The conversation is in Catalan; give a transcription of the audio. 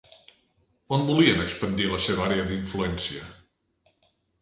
On volien expandir la seva àrea d'influència?